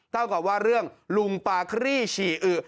เท่ากับว่าเรื่องลุงปาครี่ฉี่อือ